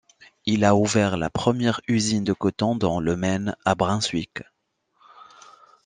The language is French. Il a ouvert la première usine de coton dans le Maine, à Brunswick.